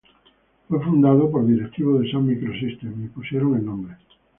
Fue fundado por directivos de Sun Microsystems, y pusieron el nombre.